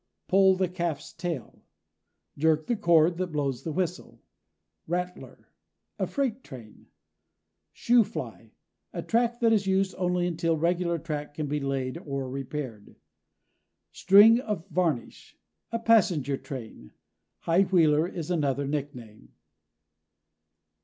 PULL THE CALF'S TAIL jerk the cord that blows the whistle. RATTLER a freight train. SHOO FLY a track that is used only until regular track can be laid or repaired. STRING OF VARNISH a passenger train. High wheeler is another nickname.